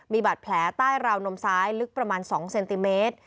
มีบาดแผลใต้ราวนมซ้ายลึกประมาณ๒เซนติเมตร